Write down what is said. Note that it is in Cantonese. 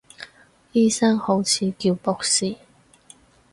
醫生好似叫博士